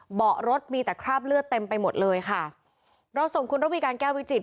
เบาะรถมีแต่คราบเลือดเต็มไปหมดเลยค่ะเราส่งคุณระวีการแก้ววิจิต